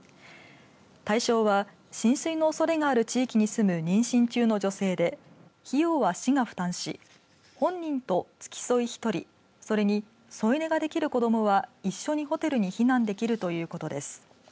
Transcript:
対象は、浸水のおそれがある地域に住む妊娠中の女性で費用は市が負担し本人と付き添い、１人それに添い寝ができる子どもは一緒にホテルに避難できるということです。